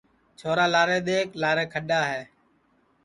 چھورا لارے دؔیکھ لارے کھڈؔا ہے